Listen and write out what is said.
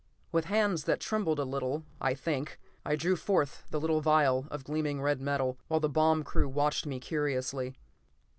With hands that trembled a little, I think, I drew forth the little vial of gleaming red metal, while the bombing crew watched me curiously.